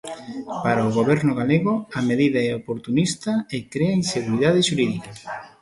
Para o Goberno galego a medida é oportunista e crea inseguridade xurídica.